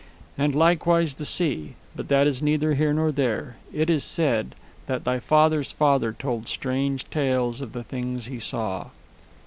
"And likewise the sea. But that is neither here nor there. It is said ... that thy father's father told strange tales of the things he saw."